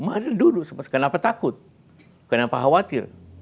mari dulu kenapa takut kenapa khawatir